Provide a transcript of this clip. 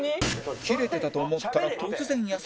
キレてたと思ったら突然優しくなる